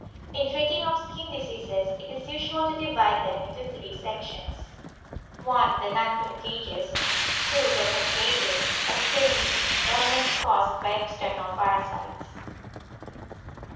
In treating of skin diseases it is usual to divide them into three sections: (1) The non contagious, (2) the contagious, and (3) ailments caused by external parasites.